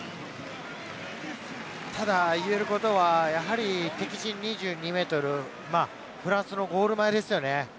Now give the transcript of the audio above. ただ言えることはやはり敵陣２２ｍ、フランスのゴール前ですよね。